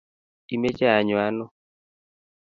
imeche anyo ano?